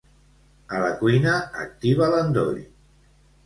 A la cuina, activa l'endoll.